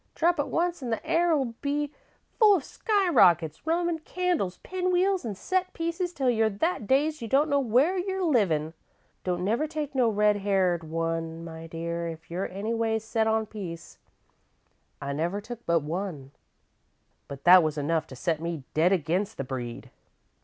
Drop it once an' the air 'll be full of sky rockets, roman candles, pinwheels, an' set pieces till you're that dazed you don't know where you're livin'. Don't never take no red haired one, my dear, if you're anyways set on peace. I never took but one, but that was enough to set me dead against the breed.